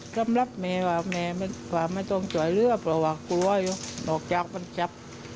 สำหรับแมวแมวไม่ต้องจ่อยเลือบลูกออกจับมันจับ